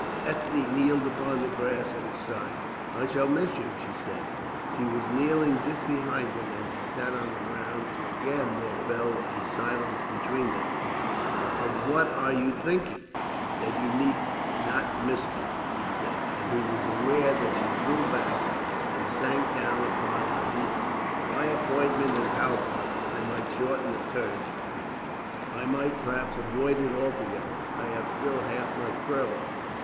Ethne kneeled upon the grass at his side. "I shall miss you," she said. She was kneeling just behind him as he sat on the ground, and again there fell a silence between them. "Of what are you thinking?" "That you need not miss me," he said, and he was aware that she drew back and sank down upon her heels. "My appointment at Halfa I might shorten its term. I might perhaps avoid it altogether. I have still half my furlough."